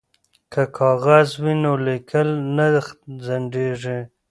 که کاغذ وي نو لیکل نه ځنډیږي.